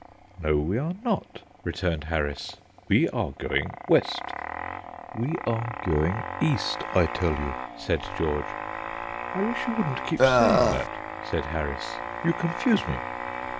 "No we are not," returned Harris; "we are going west." "We are going east, I tell you," said George. "I wish you wouldn't keep saying that," said Harris, "you confuse me."